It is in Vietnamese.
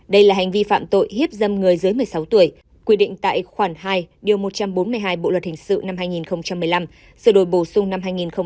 đây là hành vi phạm tội hiếp dâm người dưới một mươi sáu tuổi quy định tại khoản hai điều một trăm bốn mươi hai bộ luật hình sự năm hai nghìn một mươi năm sự đổi bổ sung năm hai nghìn một mươi bảy